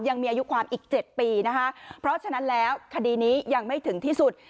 ยังมีอายุความอีกเจ็ดปีนะคะเพราะฉะนั้นแล้วคดีนี้ยังไม่ถึงที่สุด